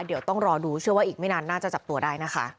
เดี๋ยวต้องรอดูเชื่อว่าอีกไม่นานน่าจะจับตัวได้นะคะ